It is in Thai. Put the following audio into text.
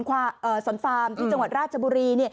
เขาสนฟาร์มที่จังหวัดราชบุรี